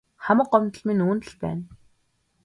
Хамаг гомдол минь үүнд л байна.